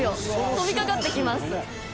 「飛びかかってきます」